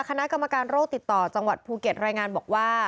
คณะกรรมการโรคติดต่อจังหวัดภูเก็ตรายงานบอกว่า